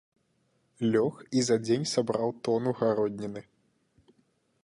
Лёг і за дзень сабраў тону гародніны!